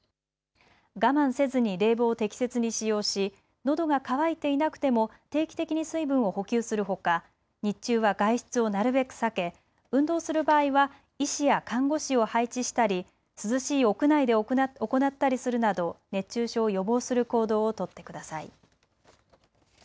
我慢せずに冷房を適切に使用しのどが渇いていなくても定期的に水分を補給するほか日中は外出をなるべく避け、運動する場合は医師や看護師を配置したり涼しい屋内で行ったりするなど熱中症を予防する行動を取ってください。